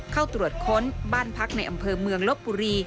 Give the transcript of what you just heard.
เข้าตรวจค้นบ้านพักในอำเภอเมืองลบบุรี